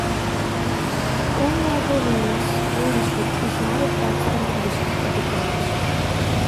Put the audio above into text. Conewago Valley School District is not a tax funding district of the College.